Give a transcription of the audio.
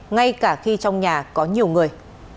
ngay cả khi trong nhà có nhiều người